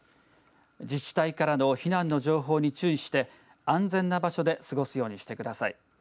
自治体からの避難の情報に注意して安全な場所で過ごすようにしてください。